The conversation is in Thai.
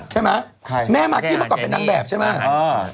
ใช่ไหมแม่มากกี้เมื่อก่อนเป็นนางแบบใช่ไหม